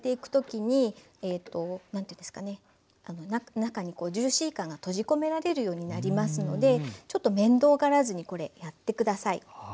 中にジューシー感が閉じ込められるようになりますのでちょっと面倒がらずにこれやって下さい。